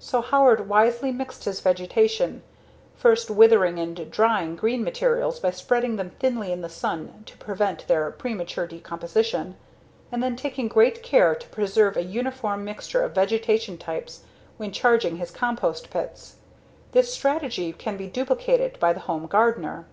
So Howard wisely mixed his vegetation, first withering and drying green materials by spreading them thinly in the sun to prevent their premature decomposition, and then taking great care to preserve a uniform mixture of vegetation types when charging his compost pits. This strategy can be duplicated by the home gardener.